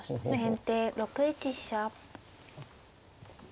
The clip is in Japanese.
先手６一飛車。